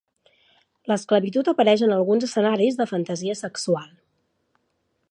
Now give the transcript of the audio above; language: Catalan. L'esclavitud apareix en alguns escenaris de fantasia sexual.